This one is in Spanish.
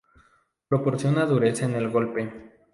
Proporciona dureza en el golpe.